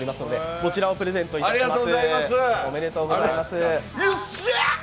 こちらをプレゼントいたします。